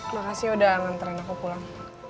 makasih udah nganterin aku pulang